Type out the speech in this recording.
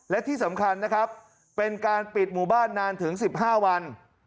และที่สำคัญนะครับเป็นการปิดหมู่บ้านนานถึง๑๕วัน